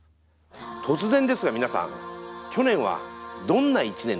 突然ですが皆さん去年はどんな１年でしたか？